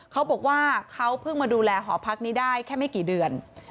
เขาบอกว่าเขาเพิ่งมาดูแลหอพักนี้ได้แค่ไม่กี่เดือน